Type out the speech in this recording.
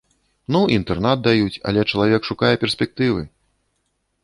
Ну, інтэрнат даюць, але чалавек шукае перспектывы.